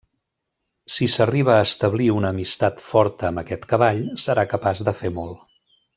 Si s'arriba a establir una amistat forta amb aquest cavall, serà capaç de fer molt.